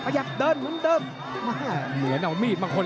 ขยับเดินเหมือนเดิม